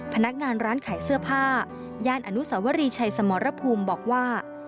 พนักงานร้านขายเสื้อผ้าย่านอนุสวรีชัยสมรภูมิบอกว่า